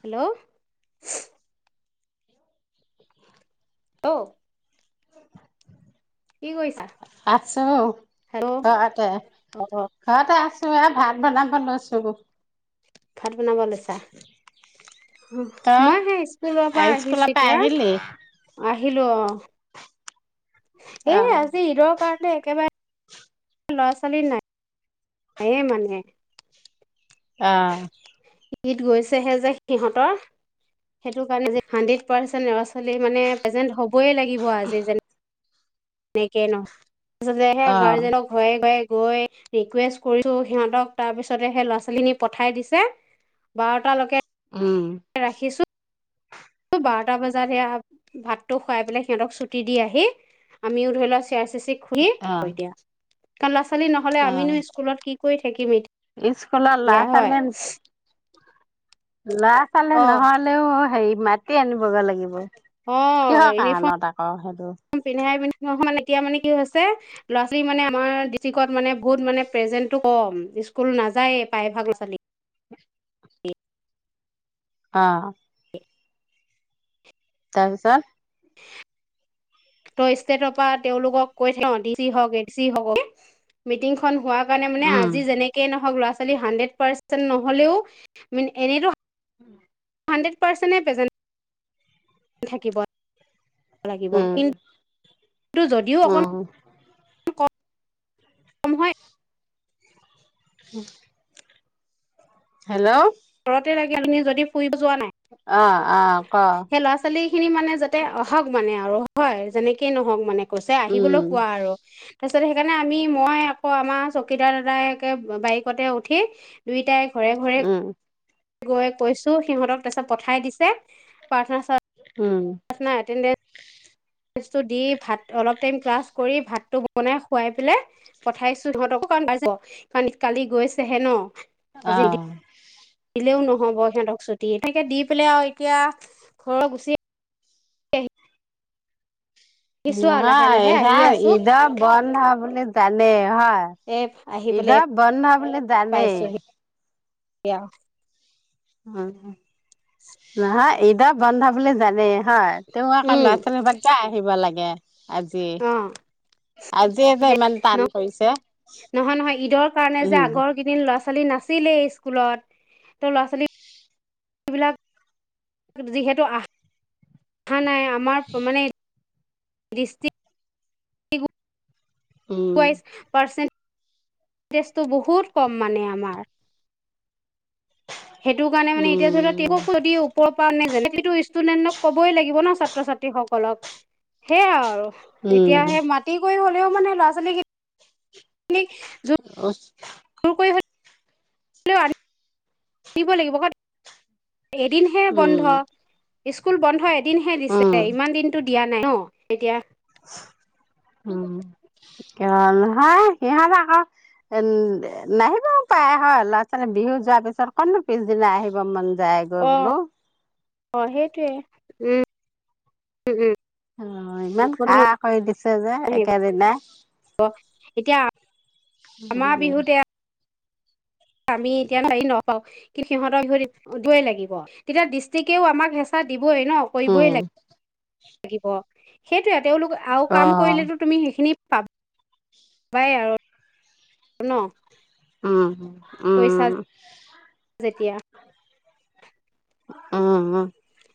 Hello [unintelligible] ত আছো hello ঘৰতে অ' ঘৰতে আছো এ ভাত বনাম ভাল আ [unintelligible] চব ভাত বনাব লৈছা মই তই সেই স্কুলৰ পৰা স্কুলৰ আহিছো পৰা আহিলি এতিয়া আহিলো অ এ অ আজি ঈদৰ কাৰণে একেবাৰে ল'ৰা ছোৱালী নাই নায়ে মানে আহ ঈদ গৈছেহে যে সিহঁতৰ সেইটো কাৰণে যে হানড্ৰেড পাৰ্চেন্ট ল'ৰা -ছো মানে প্ৰেজেন্ট হ'বই লাগিব আজি যেনে নে কে ন আচলতে হে অ গাৰ্জেনক ঘয়ে ঘয়ে গৈ ৰিকুৱেষ্ট কৰিছোঁ সিহঁতক তাৰপিছতে হে ল'ৰা ছোৱালীখিনি পঠাই দিছে বাৰু টা লৈকে উম ৰাখিছো বাৰটা বজাত সেয়া ভাতটো খুৱাই পেলাই সিহঁতক চুটি দি আহি আমিও ধৰি লোৱা চিয়া চিছ খ [unintelligible] অ হয় দিয়া কালাচ নহ'লে আমিনো স্কুলত কি কৰি থাকিম ষ্কুলাৰ লা এতিয়া হয়। চালেন। ল'ৰা ছোৱালী অ'। নহলেও হেৰি। মাতি আনিবগে লাগিব। অ কিহৰ কাৰণত আকৌ সেইটো ইউনিফৰ্ম পিন্ধাই পিন্ধ এতিয়া মানে কি হৈছে ল'ৰা ছোৱালী মানে আমাৰ ডিষ্ট্ৰিকত মানে বহুত মানে প্ৰেজেন্টটো কম স্কুল নাযায়ে প্ৰায়ভাগ ল'ৰা ছোৱালী। অ। তাৰপিছত। তই ষ্টেটৰ পৰা তেওঁলোকক কৈ থাক অ ডিচি হওক এডিচি হ‌ওক মিটিংখন হোৱা। কাৰণে মানে উম আজি যেনেকে নহওক লৰা ছোৱালী হানড্ৰেড পাৰ্চেন্ট নহলেও ম এনেতো। উম। হান্ডতপাৰ্চেন্তয়ে প্ৰেছেণ্ট। থাকিব। লাগিব উম কিন্তু যদিও উম অকণমান কম হয়। হুম হেল্ল। ঘৰতে লাগে আপুনি যদি ফুৰিব যোৱা নাই, অ অ ক সেই ল'ৰা ছোৱালীখিনি মানে আহক মানে আৰু হয় যেনেকেই নহওক মানে। কৈছে উম আহিবলৈ কোৱা আৰু। তাৰপিছত সেইকাৰণে আমি মই আকৌ আমাৰ চকীদাৰ দাদাইকে বাইকতে উঠি দুইটাই ঘৰে ঘৰে উম। গৈ কৈছো সিহঁতক তাৰপিছত পঠাই দিছে প্ৰাৰ্থনা উম প্ৰাৰ্থনা, এতেন্ডেছ দি ভাত অলপ টাইম ক্লাছ কৰি ভাতটো বনাই খোৱাই পেলাই পঠাইছো সিহঁতক কাৰণ কালি গৈছেহে ন। আজি অহ। দিলেও নহব সিহঁতক ছুটি এনেকে দি পেলাই আৰু এতিয়া ঘৰৰ গুচি [unintelligible] আহিছো আৰু লাহে নহয় লাহে সেয়া আহি আছো ঈদৰ বন্ধ বুলি। জানে হয় এ আহি পেলাই ঈদৰ বন্ধ বুলি জানে। কিয়? উম নহয় ঈদৰ বন্ধ বুলি জানে। হয় তেওঁ আকৌ উম ল'ৰা ছোৱালীবোৰ কিয় আহিব লাগে? আজি। অ আজিয়ে যে ইমান ন তান কৈছে নহয় নহয় ঈদৰ কাৰণে যে উম। আগৰ কেইদিন ল'ৰা ছোৱালী নাছিলেই স্কুলত তো ল'ৰা ছোৱালীবিলাক যিহেতু অহা নাই। আমাৰ ত মানে [unintelligible] উম ই পাৰ্চেট টেজটো বহুত কম মানে আমাৰ সেইটো কাৰণোনে এতিয়া উম ধৰাক যদি ওপৰ পৰাানটো ষ্টুডেন্টক কবই লাগিব ন ছাত্ৰ ছাত্ৰীসকলক সেয়া আৰু। উম এতিয়া সে মাটি কৰিব হ'ল ও মানে ল'ৰা ছোৱালীক [unintelligible] হেলল দিব লাগিব। এদিনহে বন্ধ। উম স্কুল বন্ধ দিনহে দিছে উম ইমান দিনটো দিয়া নাই ন এতিয়া উ কহয় সিহঁত আকৌ নাহিব পায় হয় ল'ৰা ছোৱালী বিহু যোৱাৰ পিছত কতনো পিছদিনা আহিব মন জায়গৈ বোলো। অ সেইটোৱে উম। উম অ ইমান উম খাহ কৰি দিছে যে আহিব একেদিনাই এতিয়া আমাৰ বিহুতে উ আমি এতিয়া হেৰি নকাওঁ কি সিহঁতৰ বিহ দয় লাগিব তেতিয়া ডিষ্ট্ৰিকেও আমাক হেঁচা দিব ন কৰিবই উম লাগে। লাগিব সেই তেওঁলোক আৰু অ কাম কৰিলেতো তুমি সেইখিনি পাব পাবাই আৰু ন উম। কৈছা উম যেতিয়া অ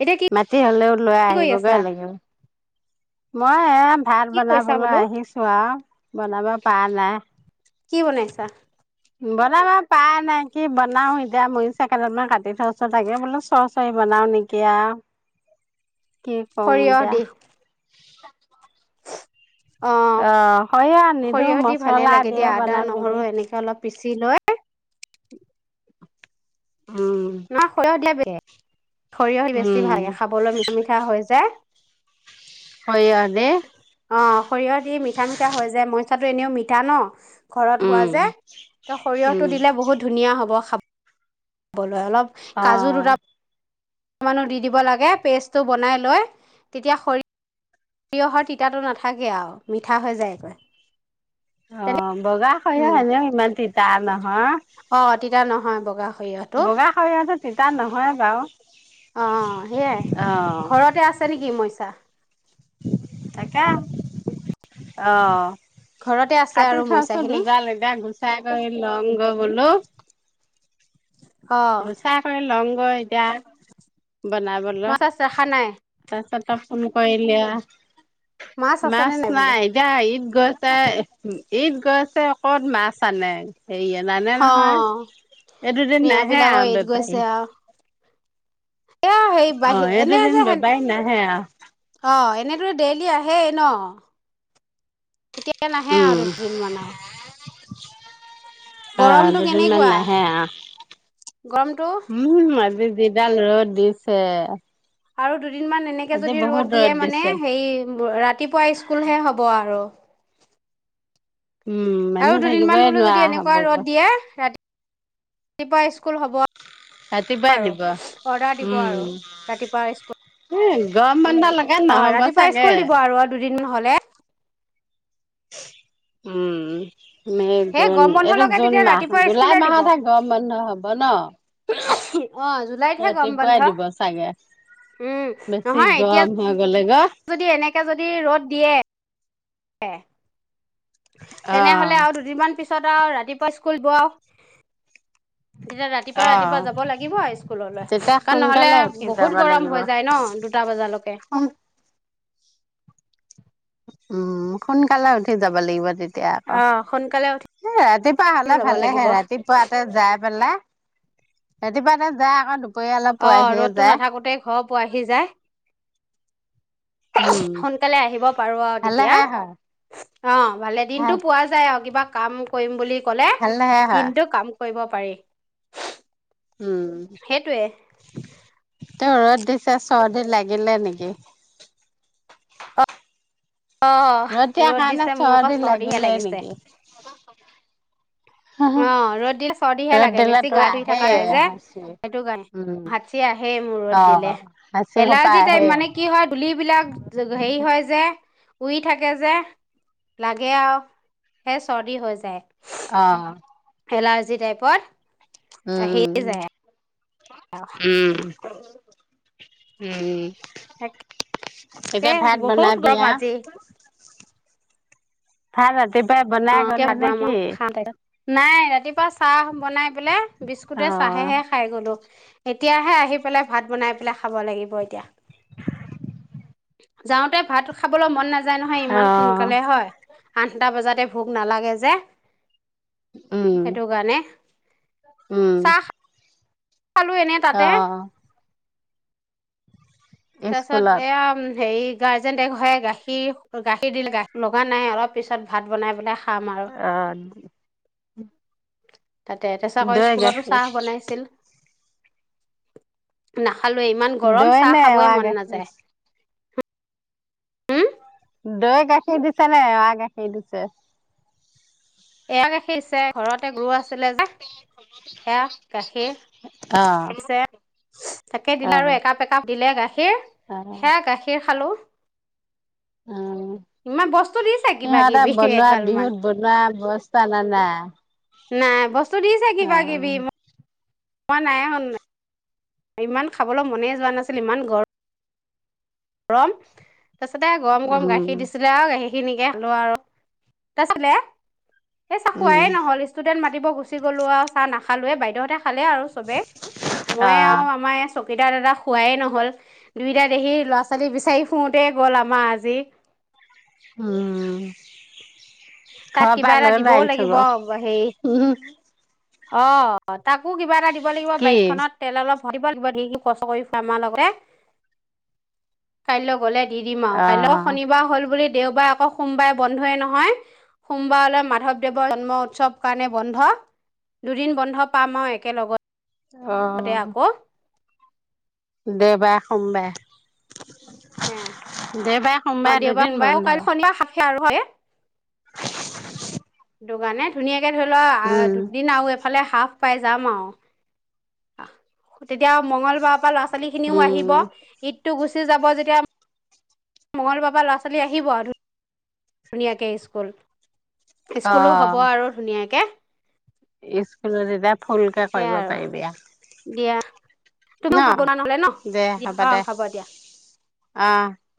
এতিয়া মাতি হলেও লৈ কি কৰি আহিবগৈ আছা? লাগিব। মই এ ভাত কি কৰিছা বনাবলৈ বোলো? আহিছোঁ আৰু বনাব পালা কি বনাইছা? বনাব পাৰা নাই, কি বনাও এতিয়া মৰিচা কেইদালমান কাটি থৈছো তাকে। বোলো চ' চৰি বনাওঁ নেকি আ' কি কওঁ সৰিয়হ এতিয়া? দি। [unintelligible] অ', অঁ, সৰিয়ঁহ নিদো, সৰিয়হ দি ভালে মছলা লাগে দিয়ে দিয়া। আদা, বনাম নহৰু নেকি। এনেকে অলপ পিচি লৈ উম ন সৰিয়হ দেৱ [unintelligible] সৰিয়ঁহ বেছি উম ভালে [unintelligible] খাবলৈ মিঠা মিঠা হৈ যায়। সৰিয়ঁহ দি। সৰিয়ঁহ দি মিঠা মিঠা হৈ যে মই [unintelligible] এনেও মিঠা ন'। ঘৰত হোৱা উম যে, ত' সৰিয়ঁহটো উম দিলে বহুত ধুনীয়া হ'ব খাব। [unintelligible] অলপ কাজু দুটা অ অকমানো দি দিব লাগে, পেষ্টটো বনাই লৈ তেতিয়া সৰিয়ঁহৰ তিতাটো নাথাকে আৰু মিঠা হৈ যায় একেবাৰে। অঁ। বগা সৰিয়ঁহ এনেও ইমান তিতা টা ন হাঁ। বা [unintelligible] নহয় বগা। সৰিয়হটো। বগা সৰিয়ঁহতো তিতা নহয় বাৰু, অ সেইয়াই অ'। ঘৰতে আছে [unintelligible] তাকে, অঁ। ঘৰতে আছে কাটি আৰু থোৱাচোন, মইচাখিনি দুজ [unintelligible] লগা গুচাই কৰি াওঁগ [unintelligible] বোলো। অ গুচাই কৰি লওঁগৈ এতিয়া, বনাবলৈ, মাছ চাছ ৰখা নাই তাৰপাছত, তই ফোন কৰিলি আহ মাছ নাই, এতিয়া ঈদ গৈছে, ঈদ গৈছে, ক'ত মাছ আনে। হেইয়া নানে অ নহয়, এই দুদিন মিয়া নাই। বিলাকৰ ঈদ গৈছে আওঁ। অ এই এনে যে দুদিন বেপাৰি নাহে আৰু। এনেদৰে ডেইলি আহে ন। এতিয়া এতিয়া নাহে উম আৰু দুদিনমান আও। [unintelligible] অ দুদিনমান কেনেকুৱা নাহে গৰমটো আৰু। উম আজি যিডাল ৰ'দ দিছে। আৰু দু দিনমান এনেকে আজি যদি বহুত ৰ'দ দিয়ে মানে দিছে। হেৰি, ৰাতিপুৱা স্কুলহে হ'ব আৰু। উম আৰু মানুহ দুদিনমান থাকিবই বোলো নোৱাৰা যদি হ'ব এনেকুৱা ৰ'দ গৈ দিয়ে, ৰাতি তিপুৱা স্কুল, স্কুল হ'ব ৰাতিপুৱাই আৰু দিব অৰ্ডাৰ দিব উম। আৰু ৰাতিপুৱা এ গৰম স্কুল। বন্ধ লগাত অ নহ'ব ৰাতিপুৱা চাগে স্কুল দিব আৰু দুদিন মান হ'লে। এ উম। মে' সেই জুন গৰম বন্ধ এইটো লগে জুন তেতিয়া মাহ। ৰাতিপুৱা জুলাই স্কুলে দিব মাহতহে গৰম বন্ধ হ'ব ন। অ জুলাইতহে গৰম বন্ধ ৰাতিপুৱাই দিব চাগে। উম বেছি নহয় এতিয়া গৰম হৈ গলেগৈ, যদি এনেকে যদি ৰ'দ দিয়ে, এ তেনেহলে অ'। আৰু দুদিনমান পিছত, ছত আৰু ৰাতিপুৱা স্কুল বোৰ আৰু, তেতিয়া ৰাতিপুৱা ৰাতিপুৱা অ' যাব লাগিব আৰু স্কুললৈ, তেতিয়া কাৰণ নহ'লে সোনকালে উঠি যাব বহুত গৰম লাগিব। হৈ যায় ন দুটা বজালৈকে। উম, সোনকালে উঠি যাব লাগিব তেতিয় তিয়া আকৌ। অ সোনকালে এ ৰাতিপুৱা উঠি হ'লে যাব ভালেহে লাগিব ৰাতিপুৱাতে যাই পেলাই, ৰাতিপুৱাতে যাই আকৌ দু পৰিয়ালে অ পোৱাহিয়ে ৰ'দটো যায়। নাথাকোতে ঘৰ পোৱাহি যায়। উম সোনকালে আহিব পাৰো আৰু তেতিয়া, ভালেহে হয় অ ভালে ভাল দিনটো পোৱা যায় আৰু কিবা কাম কৰিম বুলি, কলে, ভালেহে হয় কিন্তু কাম কৰিব পাৰি। উম সেইটোৱে ত। ত‌ই চাছো চৰ্দি লাগিলে নেকি? অ, দিয়াৰ ৰ'দ কাৰণে দিছে মোৰ আকৌ চৰ্দি চৰ্দিহে লাগিলে লাগিছে। নেকি আহ ৰ'দ দিলে চৰ্দিহে ৰ'দ লাগে বেছি দিলেতো গা ধুই থকা আহেই যাই যে হাঁচি সেইটো কাৰণে উম হাতীয়ে আহি মূৰত অ দিলে হাঁচি সোপা এলাৰ্জি টাইপ আহেই মানে কি হয় ধুলিবলাক হেৰি হয় যে উৰি থাকে যে লাগে আৰু সে চৰ্দি হৈ যায় অ এলাৰ্জি টাইপৰ উম উম উম তাকে এতিয়া ভাত বহুত বনাবি গমৰ আও আজি ভাল ব তেবাই বনাই অ', কিয় গলে ভাত নে বনাম আৰু কি খাম তাৰপিছত। নাই ৰাতিপুৱা চাহ বনাই বোলে অ বিস্কুটে চাহেহে খাই গ'লোঁ এতিয়াহে আহি পেলাই ভাত বনাই পেলাই খাব লাগিব এতিয়া যাওঁতে ভাত খাবলৈ মন নাযায় যায় নহয় ইমান অ সোনকালে হয় আঠটা বজাতে ভোগ নালাগে যে উম সেইটো কাৰণে উম চাহ খালো এনে তাতে আহ তাৰপছত স্কুলত এয়া হেৰি গাৰ্জেনটে গাখীৰ গাখীৰ দিলে গা লগা নাই অলপ পিছত ভাত বনাই পেলাই খাম আৰু অ উম তাতে তেছাকৌ স্কুলতো চাহ বনাইছিল ন খাল ইমান গৰম দৈ চাহ নে খাব এৱা মন গাখীৰ নাযায় দৈ গাখীৰ দিছে নে এয়া গাখীৰ দিছে এয়াা গাখীৰ চে ঘৰতে গৰু আছিলে যে সেয়া গাখীৰ অ পিছে তাকেই অ দিলে আৰু একাপ একাপ দিলে গাখীৰ অ গাখীৰ সেয়া গাখীৰ খালোঁ উম ইমান বস্তু দি চে কিবা সিহঁতে কিবি বনোৱা একগালমান বিহুত বনোৱা বস্তা না নাই নাই বস্তু দি চে অ কিবা কিবি মই নাই শন নাই ইমান খাবলৈ মনে যোৱা নাছিল ইমান গৰ় মৰম তাৰিছতে গৰম গৰম উম গাখীৰ দিছিলে আৰু গাখীৰ খিনিকে ললো আৰু তাৰ আছিলে এ চাহ খুৱাইে উম নহল ষ্টুডেন্ট মাতি গুচি গলো আৰু চাহ নাখা খালঁোইদউহতে খালে আৰু চবে অ মই আৰু আমাৰ চকীদা দাদা খোৱাৱেই নহ'ল দুইটা দেহি ল'ৰা ছোৱালী বিচাৰি ফুৰোতে গ'ল আমাৰ আজি অ ঘ তাক পা কিবা এটা লৈ লৈ দিবও আহিছো লাগিব গৈ হেৰি উম অ তাকো কিবা এটা দিব লাগিব কি বাইকখনত তেল অলপ দিব ধ কষ্ট কৰি খ আমাৰ লগতে কাইলৈ গলে দি দিম আৰু অ কাইলৈও শনিবাৰ হ'ল বুলি দেওবাৰ আকৌ সোমবাৰে বন্ধয়ে নহয় সোমবাৰলৈ মাধৱদেৱৰ জন্ম উৎসৱ কাৰণে বন্ধ দুদিন বন্ধ পাম আৰু একেলগত অ দে বাই সম বাই এ দেবা অ দেওবাৰ সোমাই কাইি সনিবা সেয়া আৰু হয় দোগানে ধুনীয়াাক ধৰি লওক উম দুদিন আৰু এইফালে হাফ পাই যাম আৰু তেতিয়া মং্গলবাৰ ল'ৰাোৱালী খিনও আহিব উম ঈদটো গুচি যাব যেতিয়া মঙলবাৰ পৰা ল'ৰা ছোৱালী আহিব আৰু ধুনীয়াকৈ স্কুল অ স্কুলো হ'ব আৰু ধুনীয়াকে স্কুলত যেতিয়া ফুলকে সেয়াই কৰিব আৰু পাৰিবা দিয়া তুমিও ভাব না নহলে ন দিয়া অ ভাব দিয়া আহ